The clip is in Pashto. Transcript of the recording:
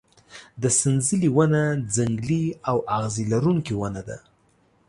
د سنځلې ونه ځنګلي او اغزي لرونکې ونه ده.